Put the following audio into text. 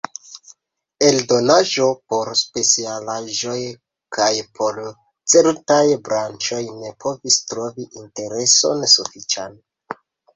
Eldonaĵoj por specialaĵoj kaj por certaj branĉoj ne povis trovi intereson sufiĉan.